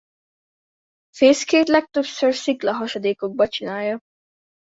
Fészkét legtöbbször szikla hasadékokba csinálja.